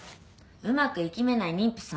うまくいきめない妊婦さん